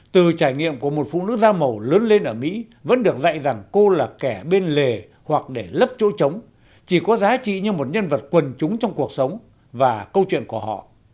từ trải nghiệm của một phụ nữ da màu lớn lên ở mỹ vẫn được dạy rằng cô là kẻ bên lề hoặc để lấp chỗ trống chỉ có giá trị như một nhân vật quần chúng trong cuộc sống và câu chuyện của họ